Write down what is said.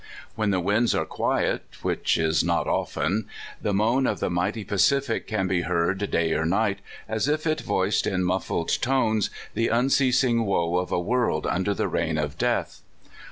When the winds are quiet, which is not often, the moan of the mighty Pacific can be heard day or night, as if it voiced in muffled tones the unceasing woe of a world under the reign of death.